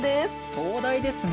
壮大ですね